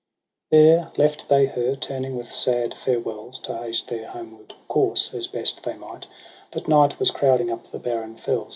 There left they her, turning with sad farewells To haste their homeward course, as best they might : But night was crowding up the barren fells.